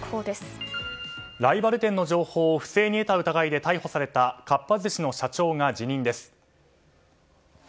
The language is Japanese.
ライバル店の情報を不正に得た疑いで逮捕されたかっぱ寿司の社長が辞任です。